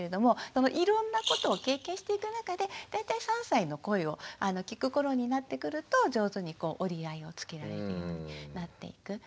そのいろんなことを経験していく中で大体３歳の声を聞く頃になってくると上手に折り合いをつけられるようになっていく。